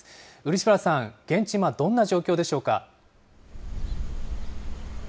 漆原さん、現地、今、どんな状況でしょうか。